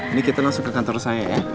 ini kita langsung ke kantor saya ya